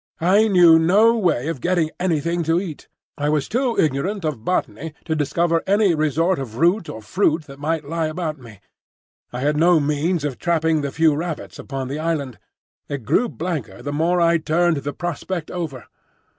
I knew no way of getting anything to eat. I was too ignorant of botany to discover any resort of root or fruit that might lie about me; I had no means of trapping the few rabbits upon the island. It grew blanker the more I turned the prospect over.